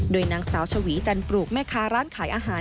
โดยนางสาวชวีจันปลูกแม่ค้าร้านขายอาหาร